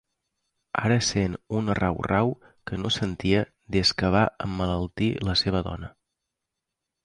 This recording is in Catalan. Ara sent un rau-rau que no sentia des que va emmalaltir la seva dona.